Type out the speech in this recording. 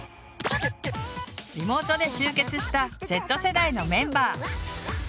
リモートで集結したＺ世代のメンバー。